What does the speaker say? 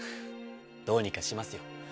どうにかしますよ